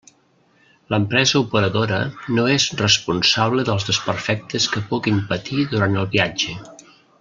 L'empresa operadora no és responsable dels desperfectes que puguin patir durant el viatge.